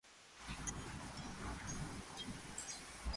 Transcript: The Lord forgive us!